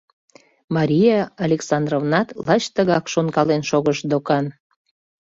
Мария Александровнат лач тыгак шонкален шогыш докан.